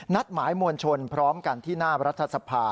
หมายมวลชนพร้อมกันที่หน้ารัฐสภา